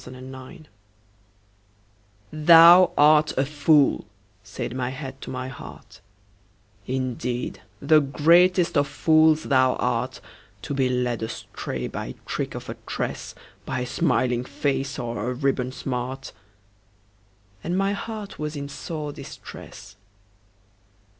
Paul Laurence Dunbar Retort THOU art a fool," said my head to my heart, "Indeed, the greatest of fools thou art, To be led astray by trick of a tress, By a smiling face or a ribbon smart;" And my heart was in sore distress.